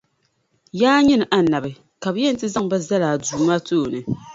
Yaa nyini Annabi! Ka bɛ yɛn ti zaŋ ba n-zali a Duuma tooni.